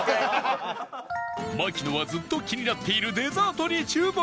槙野はずっと気になっているデザートに注目